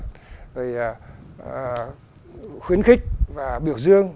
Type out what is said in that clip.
rồi khuyến khích và biểu dương